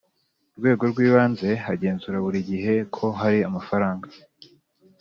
Rwego rw ibanze agenzura buri gihe ko hari amafaranga